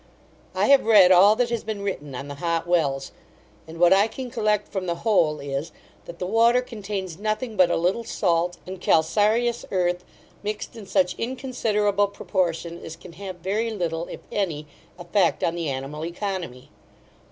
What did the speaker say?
I have read all that has been written on the Hot Wells, and what I can collect from the whole, is, that the water contains nothing but a little salt, and calcarious earth, mixed in such inconsiderable proportion, as can have very little, if any, effect on the animal economy.